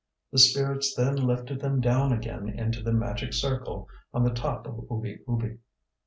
The spirits then lifted them down again into the magic circle on the top of Oobi Oobi.